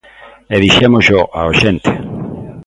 E dixémosllo ao axente.